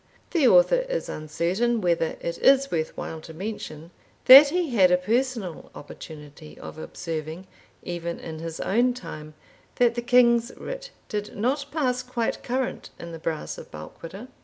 The Author is uncertain whether it is worth while to mention, that he had a personal opportunity of observing, even in his own time, that the king's writ did not pass quite current in the Brass of Balquhidder.